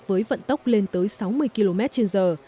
với vận tốc lên tới sáu mươi km trên giờ